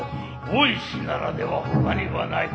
大石ならでは外にはない。